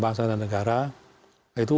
bangsa dan negara itu